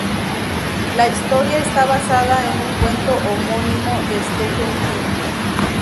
La historia está basada en un cuento homónimo de Stephen King.